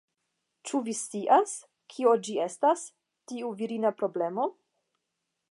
Ĉu vi scias, kio ĝi estas, tiu virina problemo?